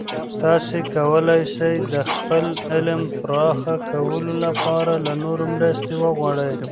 تاسې کولای سئ د خپل علم پراخه کولو لپاره له نورو مرستې وغواړئ.